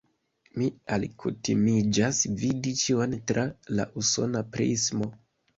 Mi alkutimiĝas vidi ĉion tra la usona prismo.